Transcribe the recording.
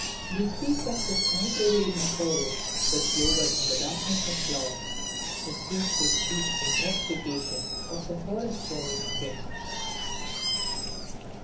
They speak of the sky pervading sorrow which lowers in the darkness of clouds; the speechless deep intoxication of the forest roaming spring.